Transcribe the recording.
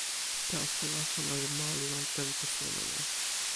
taso la, ona li moli lon tenpo suno ni.